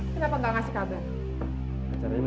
kenapa jam segini baru pulang